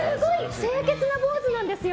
清潔な坊主、そうですよ。